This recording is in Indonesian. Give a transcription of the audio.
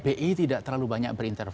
bi tidak terlalu banyak berintervensi